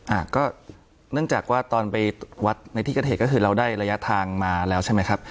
อ่าก็เนื่องจากว่าตอนไปวัดในที่เกิดเหตุก็คือเราได้ระยะทางมาแล้วใช่ไหมครับ